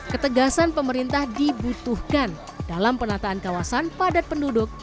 ketegasan pemerintah dibutuhkan dalam penataan kawasan padat penduduk